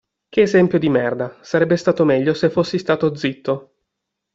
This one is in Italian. Che esempio di merda, sarebbe stato meglio se fossi stato zitto.